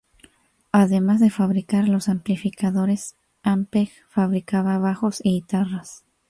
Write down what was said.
Además de fabricar los amplificadores, Ampeg fabricaba bajos y guitarras.